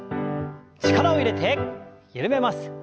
力を入れて緩めます。